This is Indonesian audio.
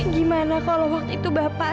gimana kalau waktu itu bapak